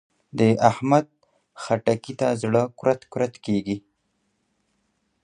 د احمد؛ خټکي ته زړه کورت کورت کېږي.